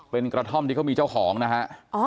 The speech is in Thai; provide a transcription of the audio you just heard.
เป็นกระท่อมที่เขามีเจ้าของนะฮะ